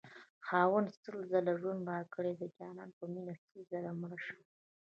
خاونده سل ځله ژوند راكړې چې دجانان په مينه سل ځله مړشمه